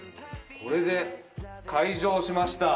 これで解錠しました。